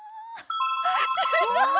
すごい！